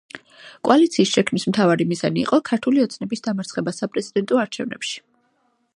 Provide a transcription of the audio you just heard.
კოალიციის შექმნის მთავარი მიზანი იყო „ქართული ოცნების“ დამარცხება საპრეზიდენტო არჩევნებში.